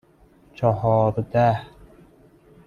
چهارده